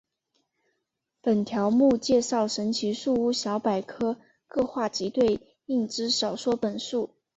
本条目介绍神奇树屋小百科各话及对应之小说本数。